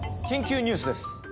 緊急ニュースです